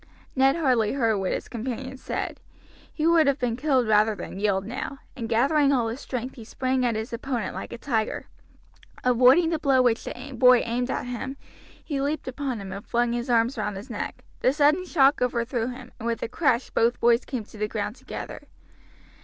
Ned hardly heard what his companion said. He would have been killed rather than yield now, and gathering all his strength he sprang at his opponent like a tiger. Avoiding the blow which the boy aimed at him, he leaped upon him, and flung his arms round his neck. The sudden shock overthrew him, and with a crash both boys came to the ground together.